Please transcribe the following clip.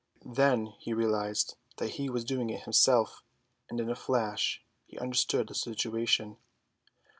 Then he realised that he was doing it himself, and in a flash he understood the situation.